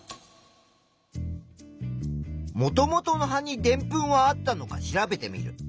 もともとの葉にでんぷんはあったのか調べてみる。